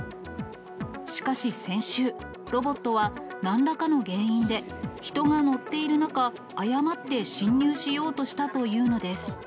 しかし先週、ロボットはなんらかの原因で、人が乗っている中、誤って進入しようとしたというのです。